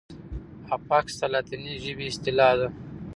افکس د لاتیني ژبي اصطلاح ده.